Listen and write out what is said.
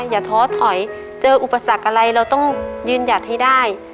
อย่าท้อถอยเจออุปสรรคอะไรเราต้องยืนหยัดให้ได้